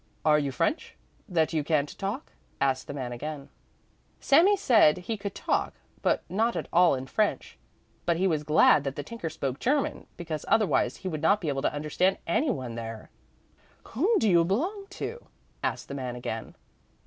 "Are you French, that you can't talk?" asked the man again. Sami then said he could talk, but not at all in French, but he was glad that the tinker spoke German, because otherwise he would not be able to understand anyone there. "Whom do you belong to?" asked the man again.